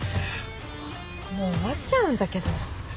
もう終わっちゃうんだけど。